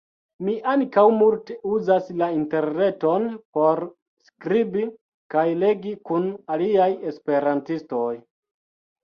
Mi ankaŭ multe uzas la interreton por skribi kaj legi kun aliaj esperantistoj.